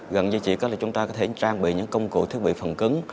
gần như chỉ có là chúng ta có thể trang bị những công cụ thiết bị phần cứng